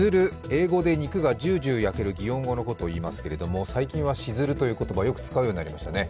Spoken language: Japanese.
英語で肉がジュージュー焼ける擬音のことをいいますけれども最近はシズルという言葉をよく使うようになりましたね。